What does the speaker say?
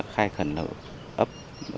khai khẩn lợi ấp